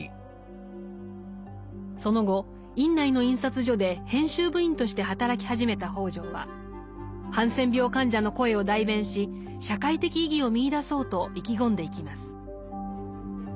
その後院内の印刷所で編集部員として働き始めた北條はハンセン病患者の声を代弁し社会的意義を見いだそうと意気込んでいきます。